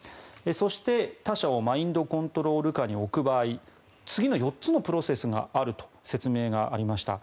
そして、他者をマインドコントロール下に置く場合次の４つのプロセスがあると説明がありました。